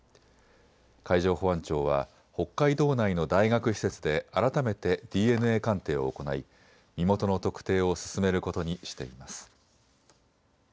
海上保安庁は北海道内の大学施設で改めてＤＮＡ鑑定を行い身元の特定を進めることにしています。